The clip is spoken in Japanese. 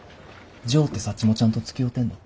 ジョーってサッチモちゃんとつきおうてんの？